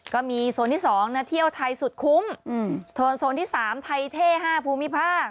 ก็มีโซนที่๒นะเที่ยวไทยสุดคุ้มโซนที่๓ไทยเท่๕ภูมิภาค